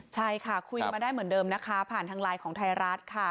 ใช่ค่ะคุยกันมาได้เหมือนเดิมนะคะผ่านทางไลน์ของไทยรัฐค่ะ